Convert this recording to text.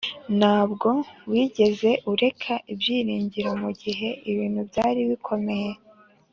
ntabwo wigeze ureka ibyiringiro mugihe ibihe byari bikomeye.